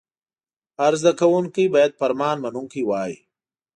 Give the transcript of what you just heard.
هر زده کوونکی باید فرمان منونکی وای.